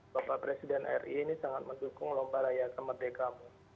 bapak presiden ri ini sangat mendukung lomba rayakan merdekamu